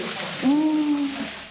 うん。